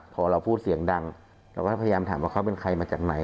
พอเราพูดเสียงดังเราก็พยายามถามว่าเขาเป็นใครมาจากไหน